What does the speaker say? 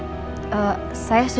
saya susternya rena bu